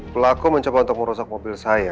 pelaku mencoba untuk merusak mobil saya